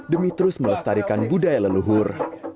demi terus melestarikan budaya leluhur